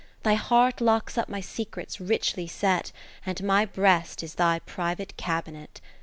Thy heart locks up my secrets richly set, And my breast is thy private cabinet.